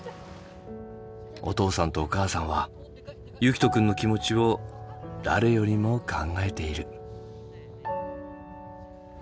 お父さんとお母さんは結季斗くんの気持ちを誰よりも考えている。